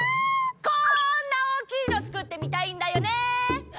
こんな大きいのつくってみたいんだよね！